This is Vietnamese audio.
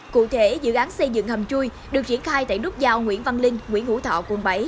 cụ thể dự án xây dựng hầm chui được triển khai tại nút giao nguyễn văn linh nguyễn hữu thọ quận bảy